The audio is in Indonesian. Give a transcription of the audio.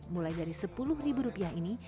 mulai dari sepuluh ribu rupiah ini